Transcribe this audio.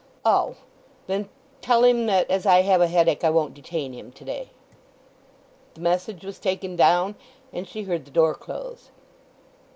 "Oh! Then tell him that as I have a headache I won't detain him to day." The message was taken down, and she heard the door close.